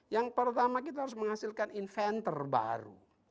yang pertama kita harus menghasilkan inventor baru